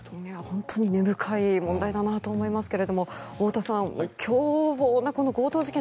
本当に根深い問題だなと思いますけれども太田さん、狂暴な強盗事件